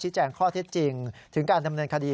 ชี้แจ่งข้อที่จริงถึงการดำเนินคดี